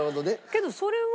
けどそれは。